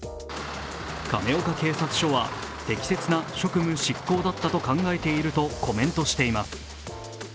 亀岡警察署は、適切な職務執行だっと考えているとコメントしています。